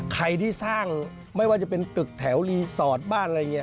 ใครที่สร้างไม่ว่าจะเป็นตึกแถวรีสอร์ทบ้านอะไรอย่างนี้